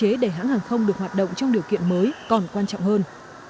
nhưng tạo cơ chế để hãng hàng không được hoạt động trong điều kiện mới còn quan trọng hơn